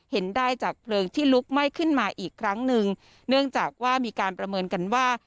เห็นได้จากเพลิงที่ลุกไหม้ขึ้นมาอีกครั้งหนึ่งเนื่องจากว่ามีการประเมินกันว่า